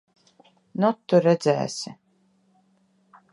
Nu, tu redzēsi!